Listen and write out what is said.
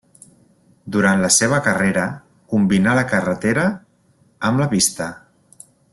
Durant la seva carrera combinà la carretera amb la pista.